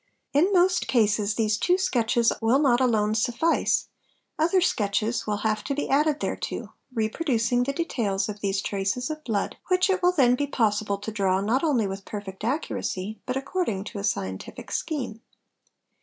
In most cases these two sketches will not alone suffice, other _ REGISTRATION OF BLOOD MARKS 565 sketches will have to be added thereto, reproducing the details of these traces of blood which it will then be possible to draw not only with per fect accuracy but according to a scientific scheme.